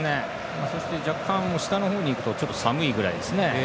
若干、下の方に行くとちょっと寒いぐらいですね。